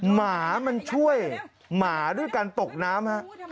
หมามันช่วยหมาด้วยการตกน้ำฮะ